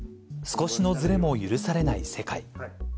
少しのずれも許されない世界。